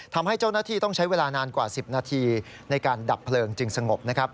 ทำให้เจ้าหน้าที่ต้องใช้เวลานานกว่า๑๐นาทีในการดับเพลิงจึงสงบ